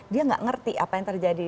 dia tidak mengerti apa yang terjadi